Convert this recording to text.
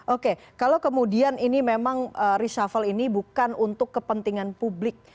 oke kalau kemudian ini memang reshuffle ini bukan untuk kepentingan publik